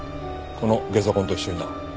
このゲソ痕と一緒にな。